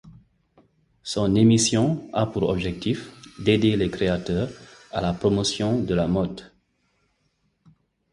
Son émission a pour objectif d’aider les créateurs à la promotion de la mode.